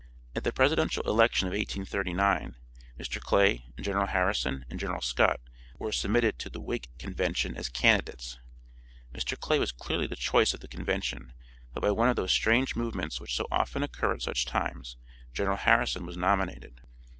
At the presidential election of 1839 Mr. Clay, General Harrison, and General Scott were submitted to the Whig Convention as candidates. Mr. Clay was clearly the choice of the convention, but by one of those strange movements which so often occur at such times General Harrison was nominated.